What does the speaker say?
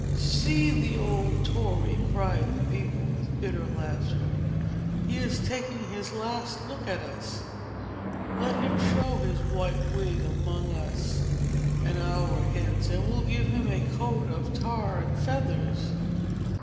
"See the old tory!" cried the people, with bitter laughter. "He is taking his last look at us. Let him show his white wig among us an hour hence, and we'll give him a coat of tar and feathers!"